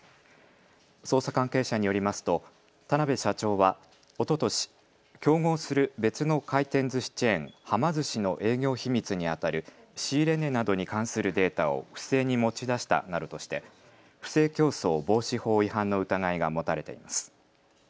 捜査関係者によりますと田邊社長はおととし、競合する別の回転ずしチェーン、はま寿司の営業秘密にあたる仕入れ値などに関するデータを不正に持ち出したなどとして不正競争防止法違反の疑いが持たれています。